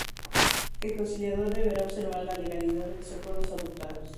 El conciliador deberá observar la legalidad de los acuerdos adoptados.